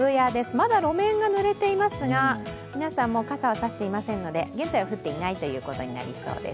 まだ路面がぬれていますが、皆さん傘を差していませんので現在は降っていないということになりそうです。